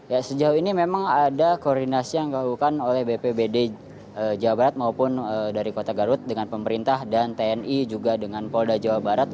ya sejauh ini memang ada koordinasi yang dilakukan oleh bpbd jawa barat maupun dari kota garut dengan pemerintah dan tni juga dengan polda jawa barat